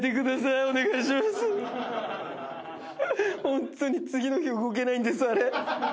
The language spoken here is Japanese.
ホントに次の日動けないんですあれ。